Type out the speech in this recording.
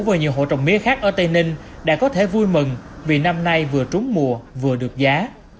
và nhiều hộ trồng mía khác ở tây ninh đã có thể vui mừng vì năm nay vừa trúng mùa vừa được giá